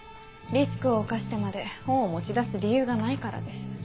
リスクを冒してまで本を持ち出す理由がないからです。